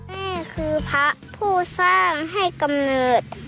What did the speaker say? แม่คือพระผู้สร้างให้กำเนิด